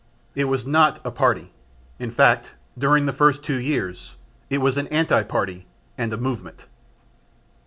It was not a party, in fact during the first two years, it was an anti party and a movement.